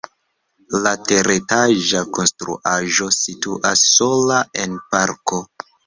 La teretaĝa konstruaĵo situas sola en parko.